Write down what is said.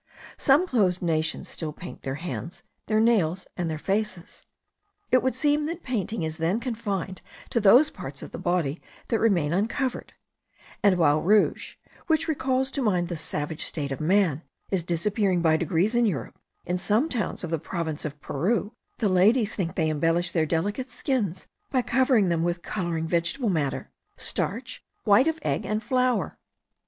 Some clothed nations still paint their hands, their nails, and their faces. It would seem that painting is then confined to those parts of the body that remain uncovered; and while rouge, which recalls to mind the savage state of man, is disappearing by degrees in Europe, in some towns of the province of Peru the ladies think they embellish their delicate skins by covering them with colouring vegetable matter, starch, white of egg, and flour.